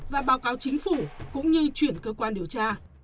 và báo cáo chính phủ cũng như chuyển cơ quan điều tra